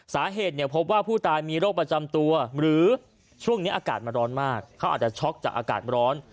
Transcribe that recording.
สาเหตุเนี่ยพบว่าผู้ตายมีโรคประจำตัวหรือช่วงนี้อากาศมันร้อนมากเขาอาจจะช็อกจากอากาศร้อน